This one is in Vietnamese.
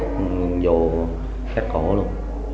sau đó dùng cây xanh về nhà